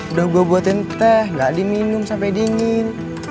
udah gue buatin teh gak diminum sampai dingin